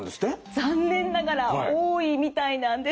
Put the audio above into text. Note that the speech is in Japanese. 残念ながら多いみたいなんです。